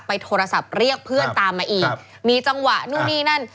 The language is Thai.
โทรศัพท์เรียกเพื่อนตามมาอีกมีจังหวะนู่นนี่นั่น